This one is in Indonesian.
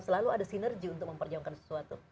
selalu ada sinergi untuk memperjuangkan sesuatu